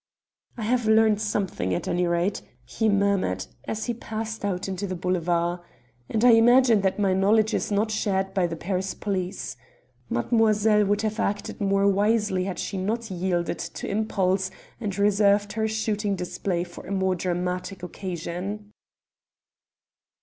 "I have learned something, at any rate," he murmured as he passed out into the Boulevard, "and I imagine that my knowledge is not shared by the Paris police. Mademoiselle would have acted more wisely had she not yielded to impulse, and reserved her shooting display for a more dramatic occasion."